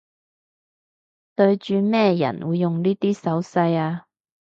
對住咩人會用呢啲手勢吖